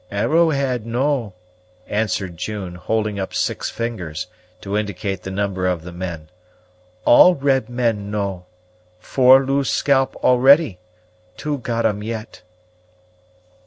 "Arrowhead know," answered June, holding up six fingers, to indicate the number of the men. "All red men know. Four lose scalp already; two got 'em yet."